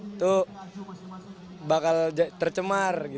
itu bakal tercemar